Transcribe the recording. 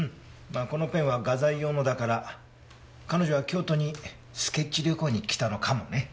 まあこのペンは画材用のだから彼女は京都にスケッチ旅行に来たのかもね。